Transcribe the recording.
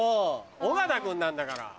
尾形君なんだから。